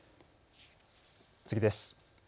次です。